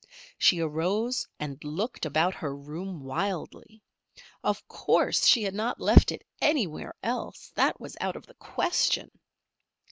She arose and looked about her room wildly. Of course, she had not left it anywhere else, that was out of the question.